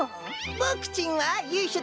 ボクちんはゆいしょ